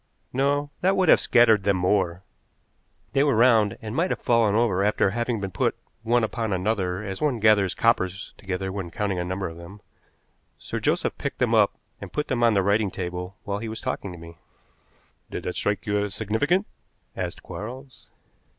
"No, that would have scattered them more. They were round, and might have fallen over after having been put one upon another as one gathers coppers together when counting a number of them. Sir Joseph picked them up and put them on the writing table while he was talking to me." "Did that strike you as significant?" asked Quarles.